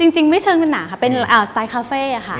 จริงไม่เชิญเป็นหนังค่ะเป็นสไตล์คาเฟ่ค่ะ